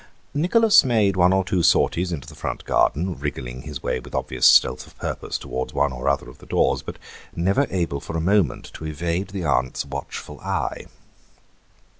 Nicholas made one or two sorties into the front garden, wriggling his way with obvious stealth of purpose towards one or other of the doors, but never able for a moment to evade the aunt's watchful eye.